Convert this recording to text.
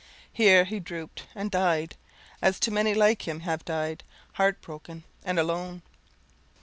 Here he drooped and died, as too many like him have died, heartbroken and alone.